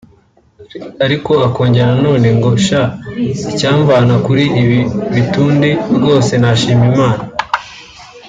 Ariko akongera nanone ngo ‘sha icyamvana kuri ibi bitundi rwose nashima Imana’